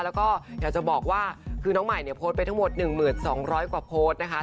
แล้วก็อยากจะบอกว่าคือน้องใหม่เนี่ยโพสต์ไปทั้งหมด๑๒๐๐กว่าโพสต์นะคะ